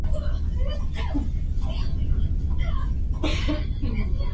En la batalla de Megido Josías murió.